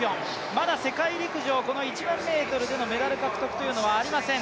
まだ世界陸上、まだこの１００００ｍでのメダル獲得というのはありません